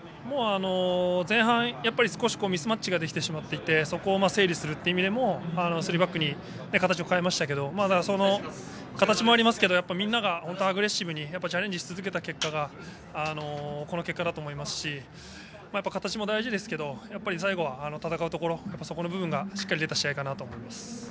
前半少しミスマッチができてしまっていてそこを整理する意味でもスリーバックに変えましたが形もありますけども、みんながアグレッシブにチャレンジし続けた結果がこの結果だと思いますし形も大事ですが最後は戦うところそこの部分がしっかり出た試合かなと思います。